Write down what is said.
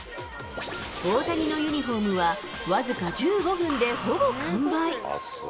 大谷のユニホームは僅か１５分でほぼ完売。